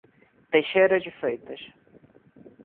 Teixeira de Freitas